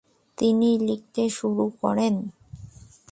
তিনি লিখতে শুরু করেন।